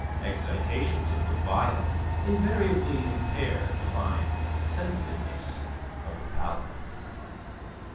Excitations of the bile invariably impair the fine sensitiveness of the palate."